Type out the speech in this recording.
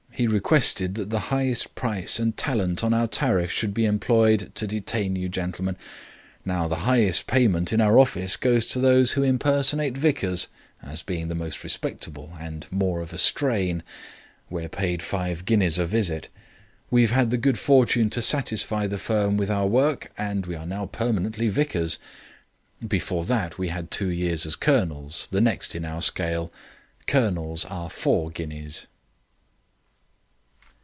He requested that the highest price and talent on our tariff should be employed to detain you gentlemen. Now the highest payment in our office goes to those who impersonate vicars, as being the most respectable and more of a strain. We are paid five guineas a visit. We have had the good fortune to satisfy the firm with our work; and we are now permanently vicars. Before that we had two years as colonels, the next in our scale. Colonels are four guineas."